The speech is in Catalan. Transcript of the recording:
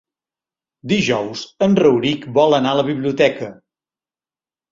Dijous en Rauric vol anar a la biblioteca.